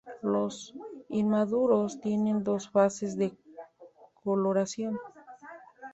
Los inmaduros tienen dos fases de coloración.